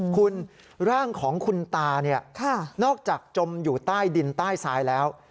คุณร่างของคุณตานอกจากจมอยู่ใต้ดินใต้ซ้ายแล้ว